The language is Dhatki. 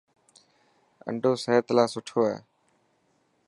آنڊو سحت لاءِ سٺو هي.